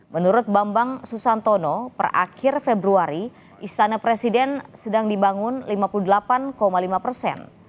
menurut bambang susantono per akhir februari istana presiden sedang dibangun lima puluh delapan lima persen